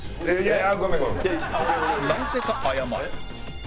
なぜか謝る